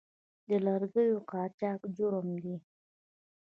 د لرګیو قاچاق جرم دی